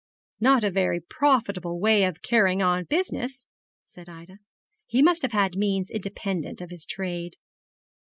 'Not a very profitable way of carrying on business,' said Ida. 'He must have had means independent of his trade.'